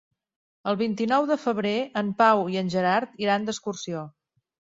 El vint-i-nou de febrer en Pau i en Gerard iran d'excursió.